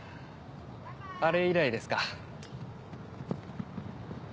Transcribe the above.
あれ以来ですか？